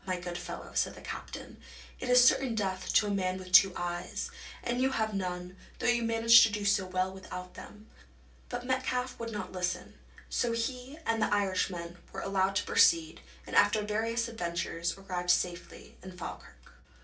my good fellow,' said the captain; 'it is certain death to a man with two eyes, and you have none, though you manage to do so well without them.' But Metcalfe would not listen, so he and the Irishman were allowed to proceed, and after various adventures arrived safely in Falkirk.